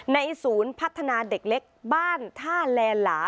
ศูนย์พัฒนาเด็กเล็กบ้านท่าแลหลา